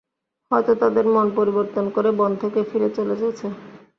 হয়তো তাদের মন পরিবর্তন করে বন থেকে ফিরে চলে গেছে।